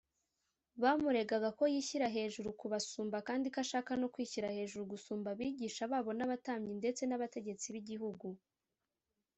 Bamuregaga ko yishyira hejuru kubasumba, kandi ko ashaka no kwishyira hejuru gusumba abigisha babo n’abatambyi ndetse n’abategetsi b’igihugu